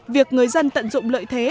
việc người dân tận dụng lợi thế